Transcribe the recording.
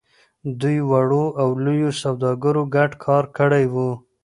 دوی وړو او لويو سوداګرو ګډ کار کړی و.